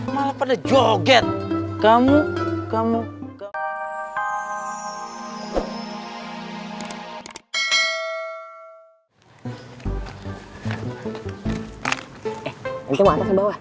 malah pada joget kamu kamu enggak